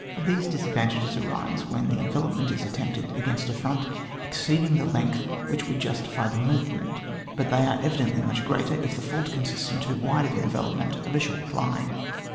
These disadvantages arise when the envelopment is attempted against a front exceeding the leng^ which would justify the movement; but they are evidently very much greater if the fault consists in too wide an envelopment of a short line.